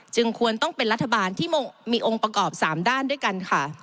ควรต้องเป็นรัฐบาลที่มีองค์ประกอบ๓ด้านด้วยกันค่ะ